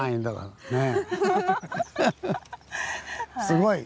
すごい！